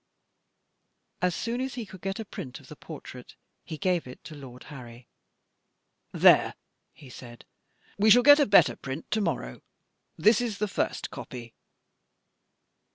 As soon as he could get a print of the portrait, he gave it to Lord Harry. "There," he said, "we shall get a better print to morrow. This is the first copy."